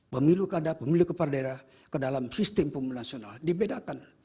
pemilu kada pemilu kepala daerah ke dalam sistem pemilu nasional dibedakan